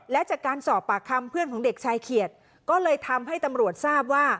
และจากการสอบปากคำเพื่อนของเด็กชายเขียดก็เลยทำให้ตำรวจทราบว่า